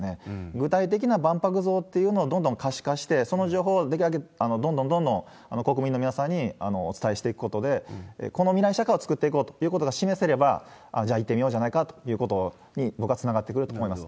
具体的な万博像というのをどんどん可視化して、その情報をできるだけどんどんどんどん国民の皆さんにお伝えしていくことで、この未来社会を作っていこうということ示せれば、じゃあ行ってみようじゃないかということに、僕はつながってくると思います。